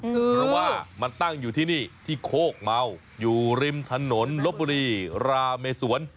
เพราะว่ามันตั้งอยู่ที่นี่ที่โคกเมาอยู่ริมถนนลบบุรีราเมสวน